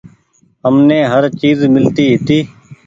همني هر چئيز ملتي هيتي۔